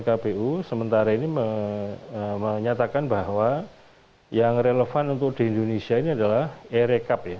kpu sementara ini menyatakan bahwa yang relevan untuk di indonesia ini adalah e recap ya